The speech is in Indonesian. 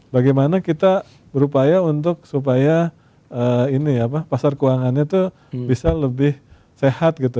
bagaimana kita berupaya untuk supaya ini apa pasar keuangannya tuh bisa lebih sehat gitu ya